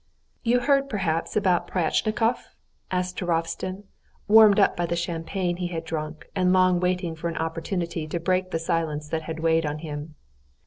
"You heard, perhaps, about Pryatchnikov?" said Turovtsin, warmed up by the champagne he had drunk, and long waiting for an opportunity to break the silence that had weighed on him.